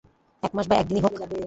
এক মাস বা এক দিনই হোক।